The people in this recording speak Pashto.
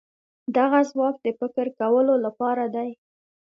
دغه ځواک د فکر کولو لپاره دی.